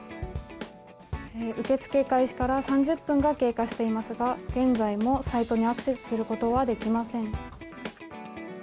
受け付け開始から３０分が経過していますが現在もサイトにアクセスすることはできません。